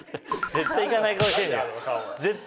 絶対行かない顔してたよ。